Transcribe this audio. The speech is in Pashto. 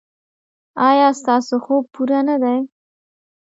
ایا ستاسو خوب پوره نه دی؟